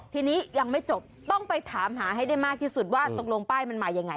ทีนี้ยังไม่จบต้องไปถามหาให้ได้มากที่สุดว่าตกลงป้ายมันมายังไง